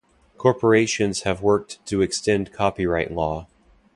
Corporations have worked to extend copyright law.